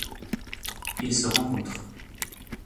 Ils se rencontrent.